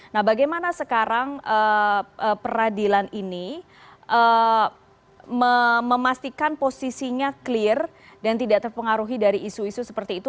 nah bagaimana sekarang peradilan ini memastikan posisinya clear dan tidak terpengaruhi dari isu isu seperti itu